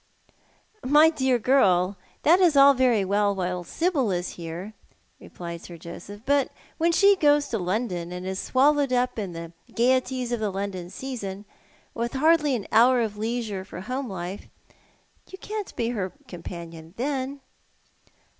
"My dear girl, that is all very well while Sibyl is here," replied Sir Joseph; "but when she goes to London and is swallowed up in the gaieties of the London season, with hardly an hour of leisure for home life — you can't be her companion then."